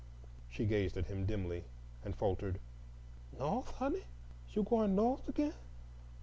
She gazed at him dimly and faltered, "No'th, honey, is yo' gwine No'th agin?"